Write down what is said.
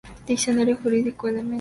Diccionario Jurídico Elemental.